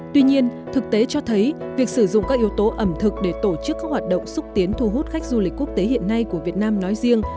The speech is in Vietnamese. tuy nhiên thực tế cho thấy việc sử dụng các yếu tố ẩm thực để tổ chức các hoạt động xúc tiến thu hút khách du lịch quốc tế hiện nay của việt nam nói riêng